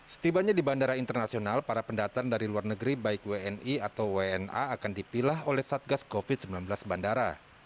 setibanya di bandara internasional para pendatang dari luar negeri baik wni atau wna akan dipilah oleh satgas covid sembilan belas bandara